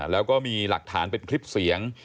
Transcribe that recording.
แล้วก็มีหลักฐานเป็นคลิปเสียง